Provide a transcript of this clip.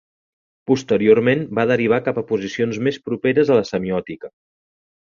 Posteriorment va derivar cap a posicions més properes a la semiòtica.